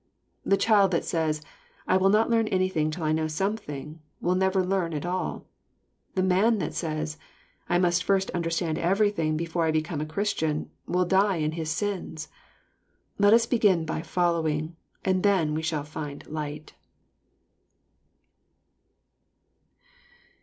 The child that says — "I will not learn anything till I know something," will never learn at all. The man that says —" I must first understand everything before I become a Christian," will die in his sins. Let us begin by ^^ following," and then we shall find light.